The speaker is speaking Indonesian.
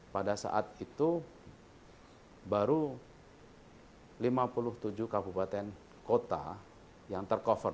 pada saat itu baru lima puluh tujuh kabupaten kota yang tercover